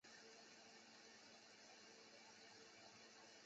大白藤为棕榈科省藤属下的一个种。